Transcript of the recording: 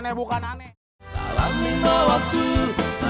eh enak kajul pakai lepas